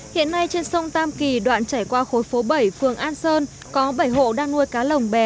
hiện nay trên sông tam kỳ đoạn chảy qua khối phố bảy phường an sơn có bảy hộ đang nuôi cá lồng bè